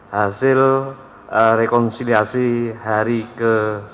hasil rekonsiliasi hari ke sebelas